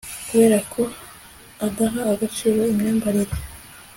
Kuberako adaha agaciro imyambarire